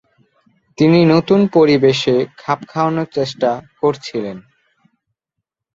তিনি নতুন পরিবেশে খাপ খাওয়ানোর চেষ্টা করছিলেন।